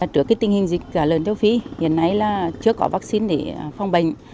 trước tình hình dịch tà lợn châu phi hiện nay chưa có vắc xin để phòng bệnh